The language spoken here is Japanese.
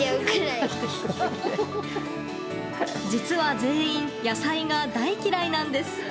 実は全員野菜が大嫌いなんです。